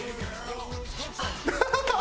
ハハハハ！